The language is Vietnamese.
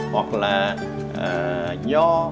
hoặc là nho